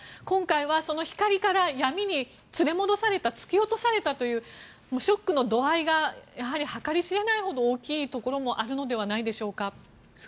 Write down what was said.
今回はその光から闇に連れ戻された突き落とされたというショックの度合いがやはり計り知れないほど大きいところもあるのではないでしょうか。